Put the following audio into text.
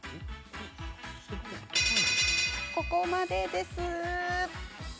ここまでです。